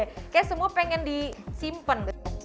kayaknya semua pengen disimpen